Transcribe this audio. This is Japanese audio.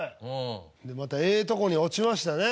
でまたええとこに落ちましたね。